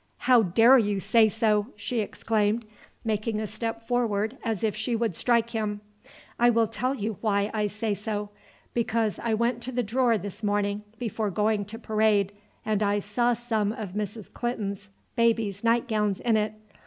"How dare you say so!" she exclaimed making a step forward as if she would strike him. "I will tell you why I say so. Because I went to the drawer this morning before going to parade, and I saw some of Mrs. Clinton's baby's night gowns in it.